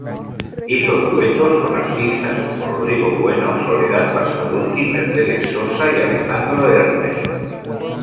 Hizo duetos con artistas como Rodrigo Bueno, Soledad Pastorutti, Mercedes Sosa y Alejandro Lerner.